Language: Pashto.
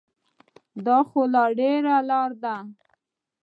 دا خو ډېره لاره ده.